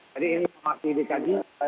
jadi ini masih dikaji